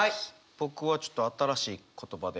僕はちょっと新しい言葉で。